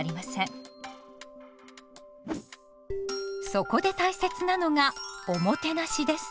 そこで大切なのがおもてなしです。